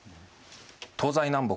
東西南北